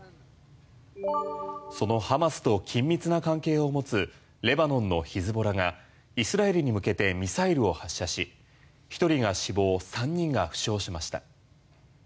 そのハマスと緊密な関係を持つレバノンのヒズボラがイスラエルに向けてミサイルを発射し１人が死亡３人が負傷しました。